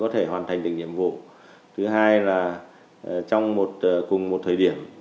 thứ hai là trong cùng một thời điểm